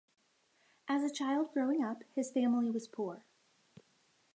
As a child growing up, his family was poor.